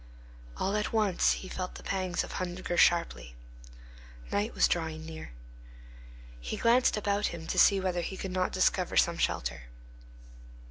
All at once he felt the pangs of hunger sharply. Night was drawing near. He glanced about him, to see whether he could not discover some shelter.